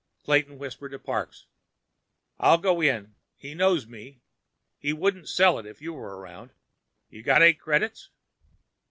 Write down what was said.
Clayton whispered to Parks: "I'll go in. He knows me. He wouldn't sell it if you were around. You got eight credits?"